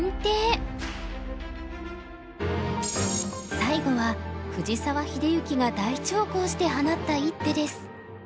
最後は藤沢秀行が大長考して放った一手です。